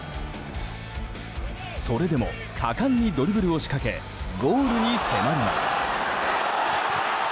それでも果敢にドリブルを仕掛けゴールに迫ります。